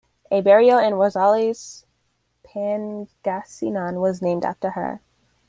A barrio in Rosales, Pangasinan was named after her.